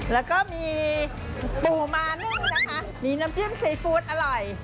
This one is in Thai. แล้วก็มีปู่มานึกน้ำจิ้มซีฟูตอร่อย